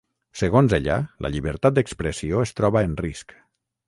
Segons ella, la llibertat d’expressió es troba en risc.